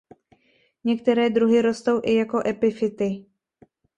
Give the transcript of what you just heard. Některé druhy rostou i jako epifyty.